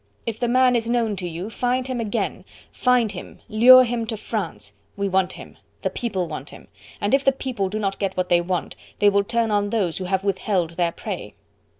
If the man is known to you, find him again, find him, lure him to France! We want him the people want him! And if the people do not get what they want, they will turn on those who have withheld their prey."